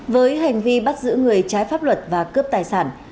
với hành vi bắt giữ người trái pháp luật và cướp tài sản